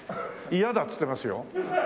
「嫌だ」っつってますよ。